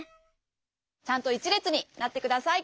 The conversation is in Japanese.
ちゃんと１れつになってください。